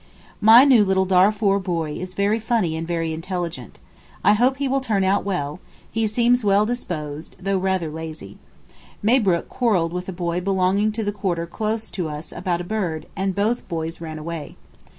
My new little Darfour boy is very funny and very intelligent. I hope he will turn out well, he seems well disposed, though rather lazy. Mabrook quarrelled with a boy belonging to the quarter close to us about a bird, and both boys ran away.